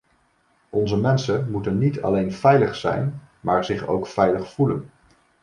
Onze mensen moeten niet alleen veilig zijn, maar zich ook veilig voelen.